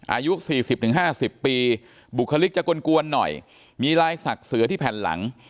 อายุ๔๐๕๐ปีบุคลิกจะกวนหน่อยมีลายศักดิ์เสือที่แผ่นหลัง